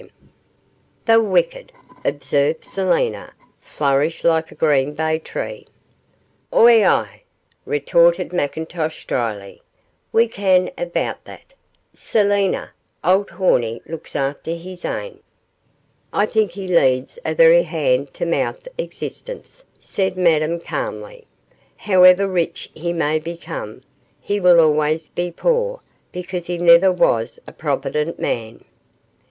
'The wicked,' observed Selina, 'flourish like a green bay tree.' 'Ou, ay,' retorted McIntosh, drily; 'we ken a' aboot that, Selina auld Hornie looks after his ain.' 'I think he leads a very hand to mouth existence,' said Madame, calmly; 'however rich he may become, he will always be poor, because he never was a provident man.